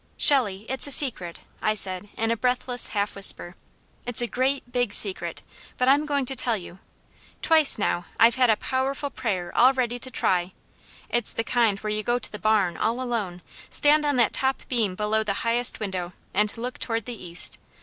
"Shelley, it's a secret," I said in a breathless half whisper. "It's a great, big secret, but I'm going to tell you. Twice now I've had a powerful prayer all ready to try. It's the kind where you go to the barn, all alone, stand on that top beam below the highest window and look toward the east.